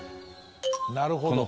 なるほど。